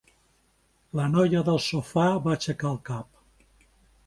La noia del sofà va aixecar el cap.